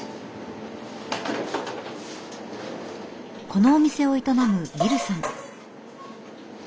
このお店を営むビルさん。